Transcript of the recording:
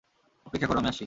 অপেক্ষা কর, আমি আসছি।